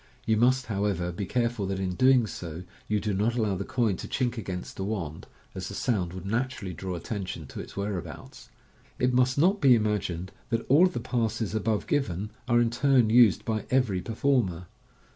You must, however, be careful that, in doing so, you do not allow the coin to chink against the wand, as the sound would naturally draw attention to its whereabouts. It must not be imagined that all of the passes above given are in turn used by every performer.